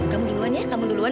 kamu duluan ya kamu duluan